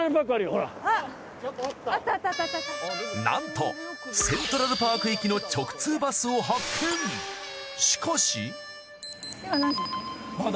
なんとセントラルパーク行きの直通バスを発見。